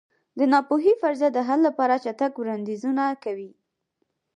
د ناپوهۍ فرضیه د حل لپاره چټک وړاندیزونه کوي.